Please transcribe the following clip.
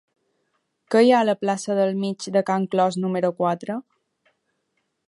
Què hi ha a la plaça del Mig de Can Clos número quatre?